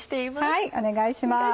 はいお願いします。